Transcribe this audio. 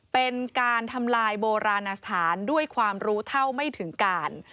เป็นการทำลายโบราณสถานด้วยความรู้เท่าไม่ถึงการ